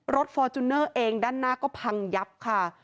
ฟอร์จูเนอร์เองด้านหน้าก็พังยับค่ะ